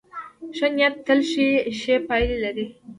ښه نیت تل ښې پایلې لري.